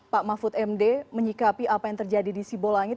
pak mahfud md menyikapi apa yang terjadi di sibolangit